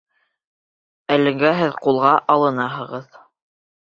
Әлегә һеҙ ҡулға алынаһығыҙ.